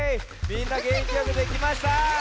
みんなげんきがでてきました。